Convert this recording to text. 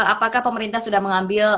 apakah pemerintah sudah mengambil